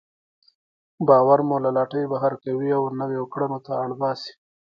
باور مو له لټۍ بهر کوي او نويو کړنو ته اړ باسي.